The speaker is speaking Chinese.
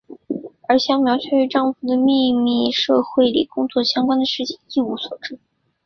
而香苗却对丈夫在秘密社会里工作相关的事情一无所知。